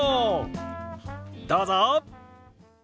どうぞ！